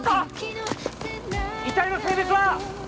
遺体の性別は？